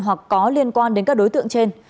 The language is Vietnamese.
hoặc có liên quan đến các đối tượng trên